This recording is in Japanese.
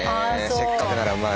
せっかくならまあ